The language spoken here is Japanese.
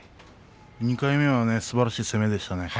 ２回目はすばらしい攻めでしたね。